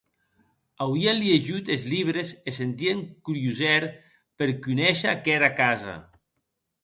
Auien liejut es libres e sentien curiosèr per conéisher aquera casa.